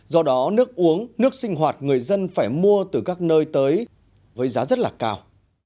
do đó nước uống nước sinh hoạt người dân phải mua từ các nơi tới với giá rất là cao